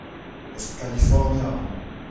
Eus Kalifornia omp.